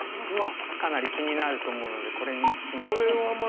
かなり気になると思うのでこれにしましょうか。